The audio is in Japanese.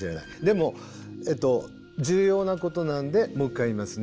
でも重要なことなんでもう一回言いますね。